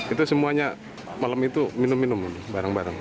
itu semuanya malam itu minum minum barang barang